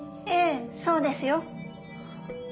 ええそうですよ。